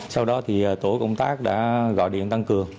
sau đó thì tổ công tác đã gọi điện tăng cường